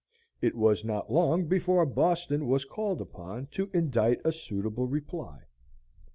It was not long before "Boston" was called upon to indite a suitable reply.